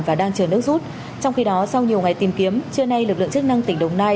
và đang chờ nước rút trong khi đó sau nhiều ngày tìm kiếm trưa nay lực lượng chức năng tỉnh đồng nai